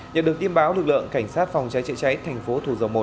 nhất được tin báo lực lượng cảnh sát phòng cháy chế cháy thành phố thủ dầu một